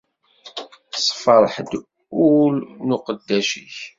Ssefreḥ-d ul n uqeddac-ik.